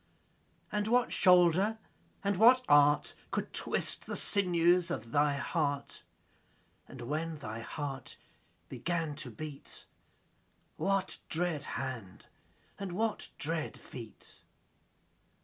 And what shoulder and what art Could twist the sinews of thy heart? 10 And when thy heart began to beat, What dread hand and what dread feet?